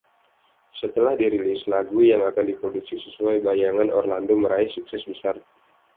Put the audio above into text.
Setelah dirilis, lagu yang diproduksi sesuai bayangan Orlando meraih sukses besar.